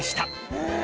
へえ！